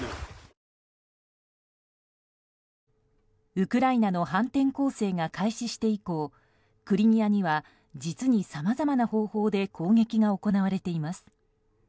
ウクライナの反転攻勢が開始して以降クリミアには実にさまざまな方法で攻撃が行われています。